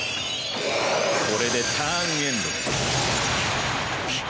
これでターンエンドだ。